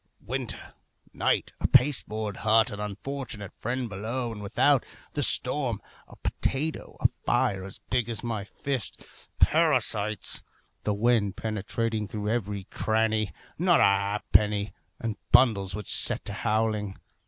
Winter, night, a pasteboard hut, an unfortunate friend below and without, the storm, a potato, a fire as big as my fist, parasites, the wind penetrating through every cranny, not a halfpenny, and bundles which set to howling.